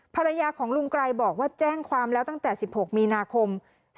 ภรรยาของลุงไกรบอกว่าแจ้งความแล้วตั้งแต่๑๖มีนาคม๒๕๖